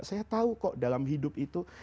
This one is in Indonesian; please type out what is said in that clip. saya tahu kok dalam hidup itu